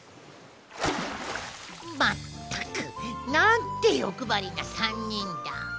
まったくなんてよくばりな３にんだ。